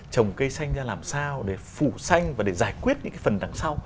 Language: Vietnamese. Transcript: trồng cây xanh ra làm sao để phủ xanh và để giải quyết những cái phần đằng sau